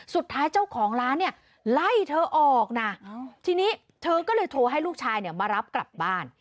สุดท้ายเจ้าของร้านเนี่ยไล่เธอออกนะทีนี้เธอก็เลยโทรให้ลูกชายเนี่ยมารับกลับบ้าน